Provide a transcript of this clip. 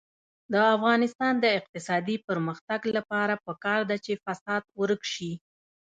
د افغانستان د اقتصادي پرمختګ لپاره پکار ده چې فساد ورک شي.